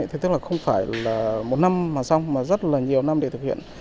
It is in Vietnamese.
thế tức là không phải là một năm mà xong mà rất là nhiều năm để thực hiện